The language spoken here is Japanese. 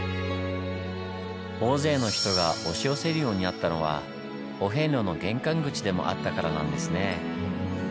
大勢の人が押し寄せるようになったのはお遍路の玄関口でもあったからなんですねぇ。